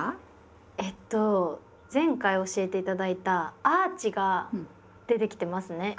えっと前回教えて頂いたアーチが出てきてますね。